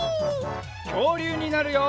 きょうりゅうになるよ！